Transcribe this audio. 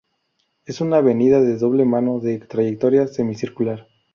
Es una avenida de doble mano de trayectoria semi circular.